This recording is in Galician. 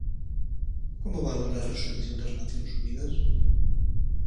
Como valora a resolución das Nacións Unidas?